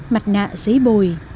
mặt nạ giấy bồi